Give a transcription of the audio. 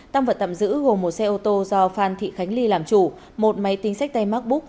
tăng vật tạm giữ gồm một xe ô tô do phan thị khánh ly làm chủ một máy tính sách tay macbook